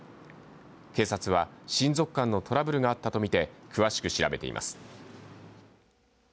警察は親族間のトラブルがあったとみて詳しく調べています。